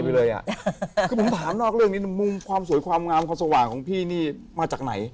คือผมถามนอกเรื่องนี้มุมความสวยความงามความสว่างของพี่นี่มาจากไหน